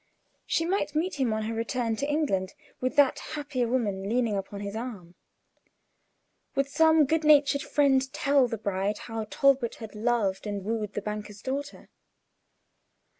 She might meet him on her return to England, with that happier woman leaning upon his arm. Would some good natured friend tell the bride how Talbot had loved and wooed the banker's daughter?